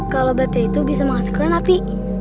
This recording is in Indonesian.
kalo bater itu bisa menghasilkan api